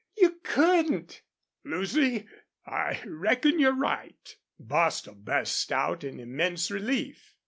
You couldn't!" "Lucy, I reckon you're right," Bostil burst out in immense relief.